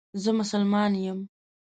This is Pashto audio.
زه مسلمان یم